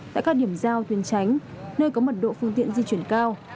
tại các điểm giao tuyến tránh nơi có mật độ phương tiện di chuyển cao